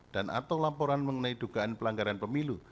dan atau laporan mengenai dugaan pelanggaran pemilu